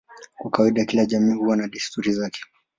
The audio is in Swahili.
Kwa kawaida kila jamii huwa na desturi zake.